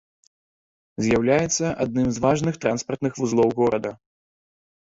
З'яўляецца адным з важных транспартных вузлоў горада.